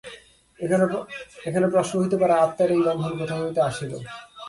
এখানে প্রশ্ন হইতে পারে, আত্মার এই বন্ধন কোথা হইতে আসিল।